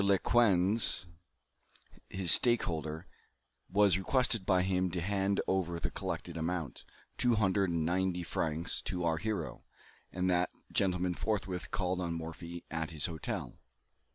Lequesne, his stake holder, was requested by him to hand over the collected amount, two hundred and ninety francs, to our hero, and that gentleman forthwith called on Morphy at his hotel.